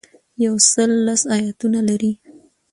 یو سل لس ایاتونه لري.